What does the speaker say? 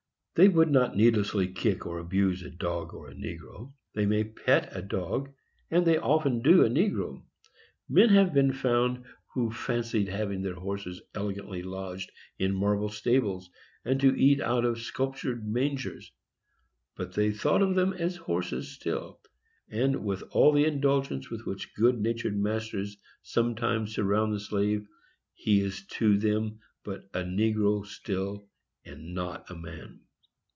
They would not needlessly kick or abuse a dog or a negro. They may pet a dog, and they often do a negro. Men have been found who fancied having their horses elegantly lodged in marble stables, and to eat out of sculptured mangers, but they thought them horses still; and, with all the indulgences with which good natured masters sometimes surround the slave, he is to them but a negro still, and not a man.